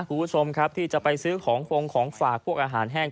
คุณผู้ชมครับที่จะไปซื้อของฟงของฝากพวกอาหารแห้ง